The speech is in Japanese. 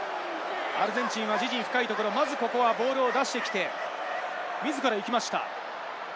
アルゼンチンは自陣深いところ、まずはここはボールを出してきて、自ら行きました。